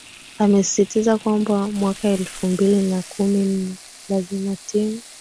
amesisitiza kwamba mwaka elfu mbili na kumi nne lazima timu